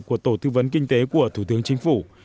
của tổ tư vấn kinh tế của thủ tướng chính phủ